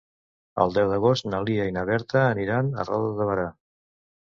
El deu d'agost na Lia i na Berta aniran a Roda de Berà.